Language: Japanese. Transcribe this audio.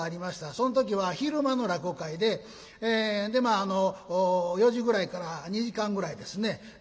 その時は昼間の落語会ででまああの４時ぐらいから２時間ぐらいですね